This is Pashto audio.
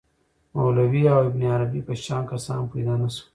مولوی او ابن عربي په شان کسان پیدا نه شول.